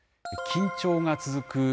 緊張が続く